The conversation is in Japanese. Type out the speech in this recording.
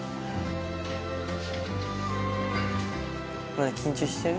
まだ緊張してる？